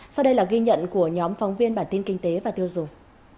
sau đây là ghi nhận của nhóm phóng viên bản tin kinh tế và tiêu dùng